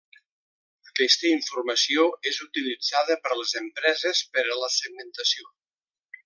Aquesta informació és utilitzada per les empreses per a la segmentació.